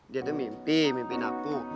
dia tuh mimpi mimpiin aku